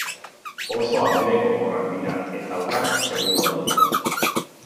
Oso abere gogorrak dira, eta urrats segurua dute.